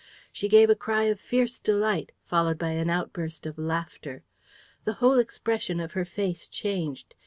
She gave a cry of fierce delight, followed by an outburst of laughter. The whole expression of her face changed.